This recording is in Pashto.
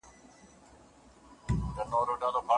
که پوهه عامه سي نو بدبختي به له منځه ولاړه سي.